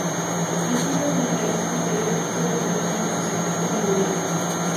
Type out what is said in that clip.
Las fibras de las raíces posteriores no sólo terminan en su segmento medular.